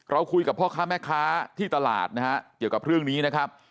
คุยกับพ่อค้าแม่ค้าที่ตลาดนะฮะเกี่ยวกับเรื่องนี้นะครับ